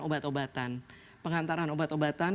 obat obatan pengantaran obat obatan